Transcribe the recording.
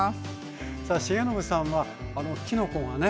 さあ重信さんはきのこがね